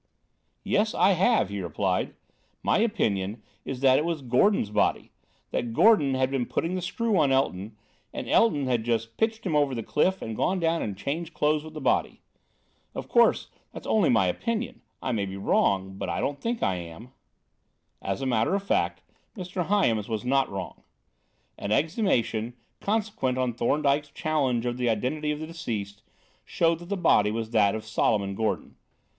"Yes, I have," he replied. "My opinion is that it was Gordon's body: that Gordon had been putting the screw on Elton, and Elton had just pitched him over the cliff and gone down and changed clothes with the body. Of course, that's only my opinion. I may be wrong; but I don't think I am." As a matter of fact, Mr. Hyams was not wrong. An exhumation, consequent on Thorndyke's challenge of the identity of the deceased, showed that the body was that of Solomon Gordon.